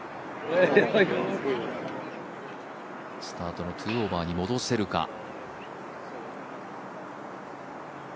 スタートの２オーバーに戻せるか。